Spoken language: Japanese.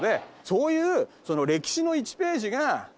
そういう歴史の１ページがあるのよ